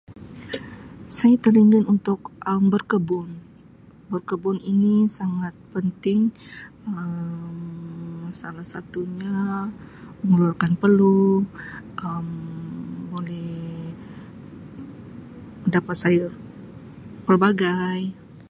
Saya teringin untuk Um berkebun. Berkebun ini sangat penting Um salah satunya keluarkan peluh, Um boleh dapat sayur pelbagai.